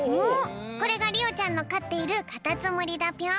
これがりおちゃんのかっているカタツムリだぴょん！